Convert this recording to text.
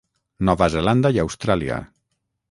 Nova Zelanda i Austràlia.